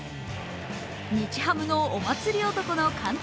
日ハムのお祭り男の監督